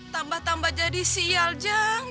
tambah tambah jadi sial jang